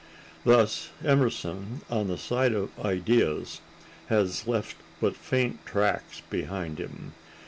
Thus Emerson, on the side of ideas, has left but faint tracks behind him.